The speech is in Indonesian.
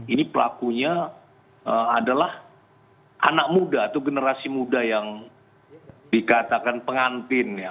ini pelakunya adalah anak muda atau generasi muda yang dikatakan pengantin ya